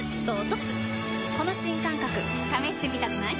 この新感覚試してみたくない？